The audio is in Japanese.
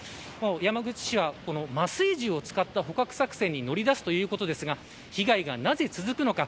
山口市は麻酔銃を使った捕獲作戦に乗り出すということですが被害がなぜ続くのか。